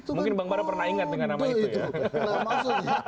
mungkin bang bara pernah ingat dengan nama itu ya